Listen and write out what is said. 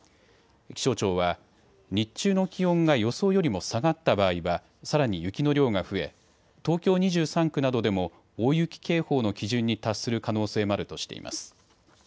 気象庁は日中の気温が予想よりも下がった場合はさらに雪の量が増え東京２３区などでも大雪警報の基準に達する可能性もあるとしています。